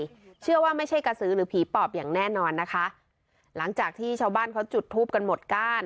เชื่อว่าไม่ใช่กระสือหรือผีปอบอย่างแน่นอนนะคะหลังจากที่ชาวบ้านเขาจุดทูปกันหมดก้าน